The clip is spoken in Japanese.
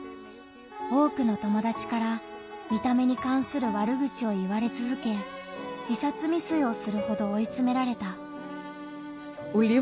多くの友達から見た目に関する悪口を言われつづけ自殺未遂をするほどおいつめられた。